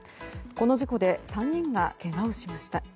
この事故で３人がけがをしました。